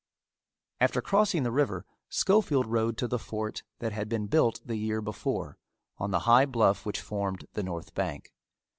After crossing the river Schofield rode to the fort that had been built the year before on the high bluff which formed the north bank.